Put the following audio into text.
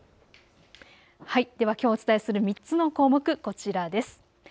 ではきょうお伝えする３つの項目、こちらです。